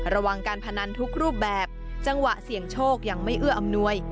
ระวังการพนันทุกรูปแบบจังหวะเสี่ยงโชคยังไม่เอื้ออำนวย